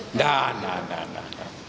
tidak tidak tidak